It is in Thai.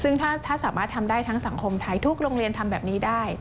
ซึ่งถ้าสามารถทำได้ทั้งสังคมไทยทุกโรงเรียนทำแบบนี้ได้